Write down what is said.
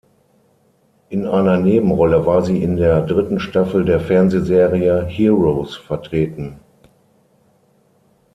In einer Nebenrolle war sie in der dritten Staffel der Fernsehserie "Heroes" vertreten.